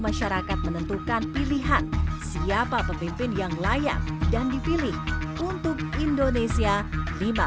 masyarakat menentukan pilihan siapa pemimpin yang layak dan dipilih untuk indonesia lima